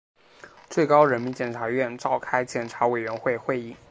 最高人民检察院召开检察委员会会议